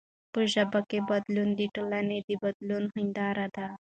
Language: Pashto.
په ژبه کښي بدلون د ټولني د بدلون هنداره ده.